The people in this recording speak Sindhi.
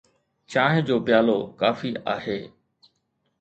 چانهه جو پيالو ڪافي آهي.